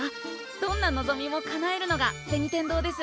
どんな望みもかなえるのが銭天堂です。